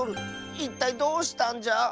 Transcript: いったいどうしたんじゃ⁉